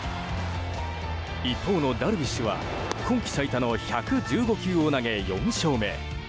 一方のダルビッシュは今季最多の１１５球を投げ４勝目。